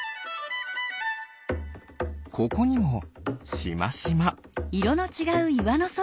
ここにもしましま。